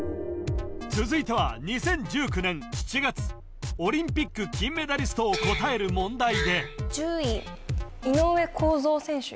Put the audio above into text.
続いては２０１９年７月オリンピック金メダリストを答える問題であれ？